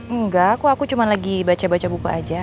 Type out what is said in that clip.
enggak aku aku cuma lagi baca baca buku aja